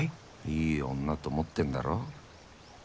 いい女と思ってんだろ？